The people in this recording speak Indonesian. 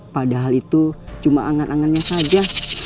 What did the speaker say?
padahal itu cuma angan angannya saja